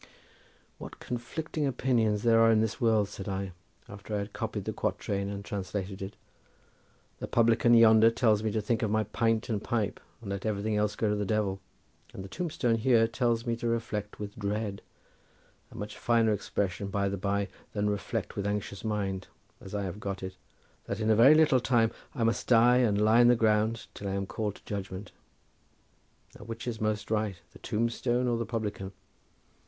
"What conflicting opinions there are in this world," said I, after I had copied the quatrain and translated it. "The publican yonder tells me to think of my pint and pipe and let everything else go to the devil, and the tombstone here tells me to reflect with dread—a much finer expression by the bye than reflect with anxious mind, as I have got it—that in a very little time I must die, and lie in the ground till I am called to judgment. Now, which is most right, the tombstone or the publican?